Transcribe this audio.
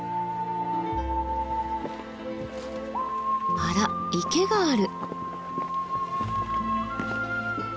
あら池がある。